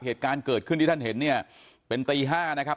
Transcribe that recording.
เหตุการณ์เกิดขึ้นที่ท่านเห็นเนี่ยเป็นตี๕นะครับ